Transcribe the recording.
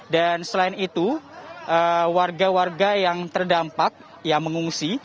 dan selain itu warga warga yang terdampak yang mengungsi